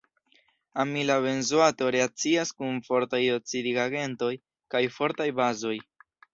Amila benzoato reakcias kun fortaj oksidigagentoj kaj fortaj bazoj.